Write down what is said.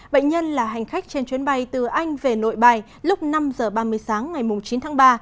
bệnh nhân là hành khách trên chuyến bay từ anh về nội bài lúc năm h ba mươi sáng ngày chín tháng ba